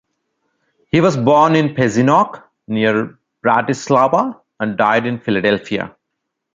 He was born in Pezinok, near Bratislava, and died in Philadelphia.